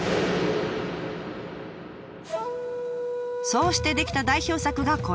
そうして出来た代表作がこれ。